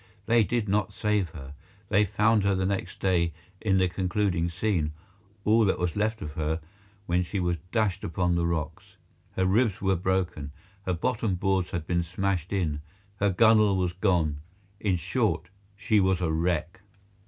They did not save her. They found her the next day, in the concluding scene—all that was left of her when she was dashed upon the rocks. Her ribs were broken. Her bottom boards had been smashed in, her gunwale was gone—in short, she was a wreck.